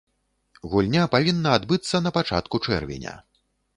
Гульня павінна адбыцца на пачатку чэрвеня.